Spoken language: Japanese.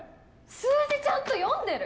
数字ちゃんと読んでる？